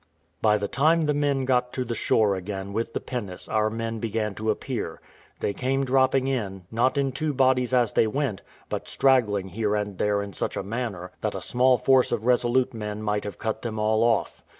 By the time the men got to the shore again with the pinnace our men began to appear; they came dropping in, not in two bodies as they went, but straggling here and there in such a manner, that a small force of resolute men might have cut them all off.